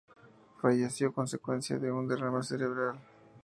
Falleció a consecuencia de un derrame cerebral.